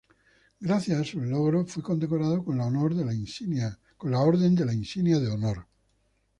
Gracias a sus logros fue condecorado con la Orden de la Insignia de Honor.